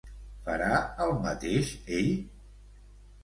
Farà el mateix ell?